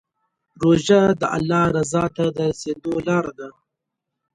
روژه د الله رضا ته د رسېدو لاره ده.